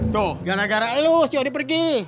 tuh gara gara eluh siwadi pergi